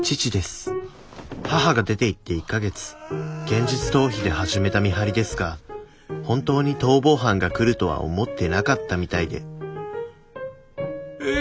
現実逃避で始めた見張りですが本当に逃亡犯が来るとは思ってなかったみたいでえ。